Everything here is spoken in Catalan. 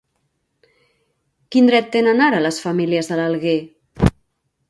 Quin dret tenen ara les famílies de l'Alguer?